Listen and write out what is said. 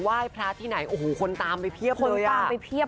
ไหว้พระที่ไหนโอ้โหคนตามไปเพียบคนตามไปเพียบ